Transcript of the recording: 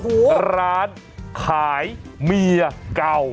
อูหูร้านขายเมียเก่า